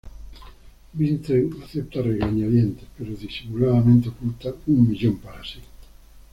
Vincent acepta a regañadientes, pero disimuladamente oculta un millón para sí.